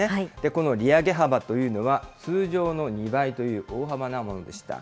この利上げ幅というのは、通常の２倍という大幅なものでした。